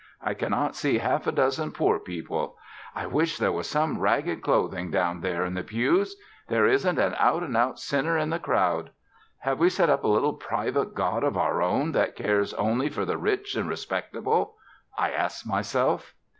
I can not see half a dozen poor people. I wish there was some ragged clothing down there in the pews. There isn't an out and out sinner in the crowd. Have we set up a little private god of our own that cares only for the rich and respectable?' I asked myself.